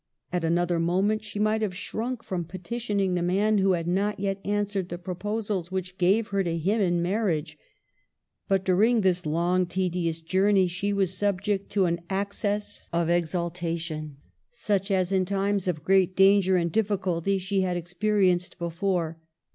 At another moment she might have shrunk from petitioning the man who had not yet answered the proposals which gave her to him in marriage. But during this 92 MARGARET OF ANGOULEME. long, tedious journey she was subject to an ac cess of exaltation, such as in times of great dan ger and difficulty she had experienced before.